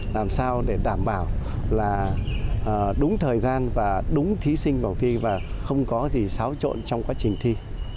làm sao để đảm bảo là đúng thời gian và đúng thí sinh bảo thi và không có gì xáo trộn trong quá trình thi